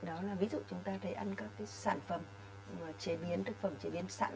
đó là ví dụ chúng ta thấy ăn các cái sản phẩm thực phẩm chế biến sẵn